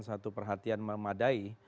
satu perhatian memadai